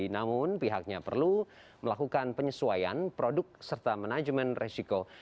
namun pihaknya perlu melakukan penyesuaian produk serta manajemen resiko